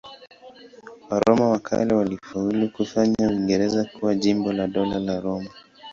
Waroma wa kale walifaulu kufanya Uingereza kuwa jimbo la Dola la Roma.